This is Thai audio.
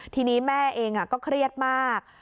ทีนี้แม่เองก็เครียดมาก